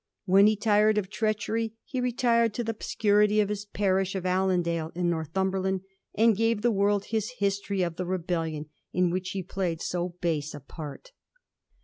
When he tired of treachery he retired to the obscurity of his parish of Allendale, in Northumber land, and gave the world his history of the rebellion in which he had played so base a part.